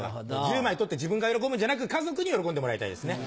１０枚取って自分が喜ぶんじゃなく家族に喜んでもらいたいですね。